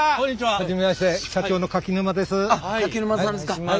初めまして社長の柿沼です。